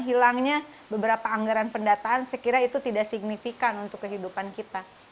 hilangnya beberapa anggaran pendataan sekiranya itu tidak signifikan untuk kehidupan kita ya silahkan